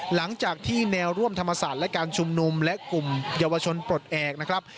หลังจากที่แนวร่วมธรรมศาสตร์และการชุมนุมและกลุ่มเยาวชนปลดแอบนะครับ